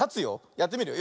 やってみるよ。